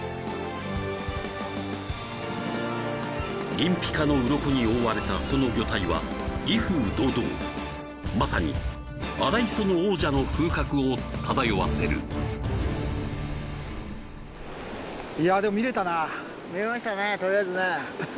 銀ピカのウロコに覆われたその魚体は威風堂々まさに荒磯の王者の風格を漂わせるいやでも見られたな見られましたねとりあえずねハハハ